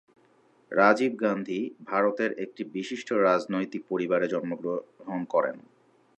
রাজীব গান্ধী ভারতের একটি বিশিষ্ট রাজনীতিক পরিবারে জন্মগ্রহণ করেন।